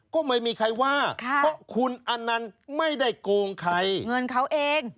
ก็ไม่มีใครว่าเพราะคุณอนันต์ไม่ได้โกงใครเงินเขาเอง